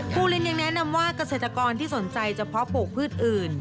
ปูลินยังแนะนำว่าเกษตรกรที่สนใจเฉพาะปลูกพืชอื่น